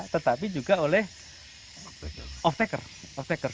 tetapi juga oleh off tacker